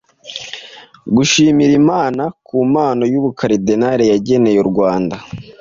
gushimira Imana ku mpano y’Ubukaridinali yageneye u Rwanda,